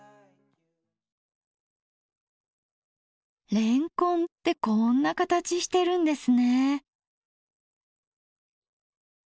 れんこんってこんな形してるんですね。